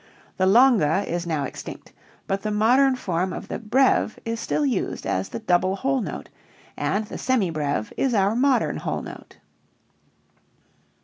The longa is now extinct, but the modern form of the breve is still used as the double whole note, and the semi breve is our modern whole note.